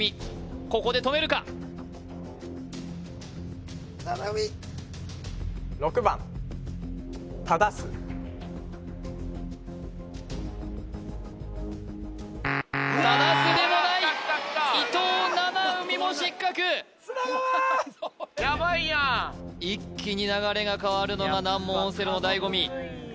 ここで止めるか七海ただすでもない伊藤七海も失格ヤバいやん一気に流れが変わるのが難問オセロの醍醐味